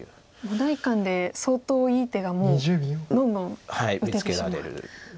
第一感で相当いい手がもうどんどん打ててしまう。